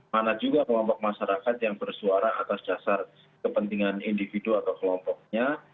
mana juga kelompok masyarakat yang bersuara atas dasar kepentingan individu atau kelompoknya